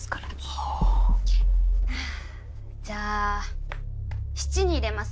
はぁじゃあ質に入れます。